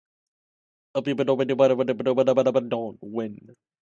If you don't fight then you don't win.